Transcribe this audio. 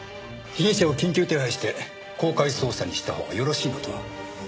被疑者を緊急手配して公開捜査にしたほうがよろしいのでは？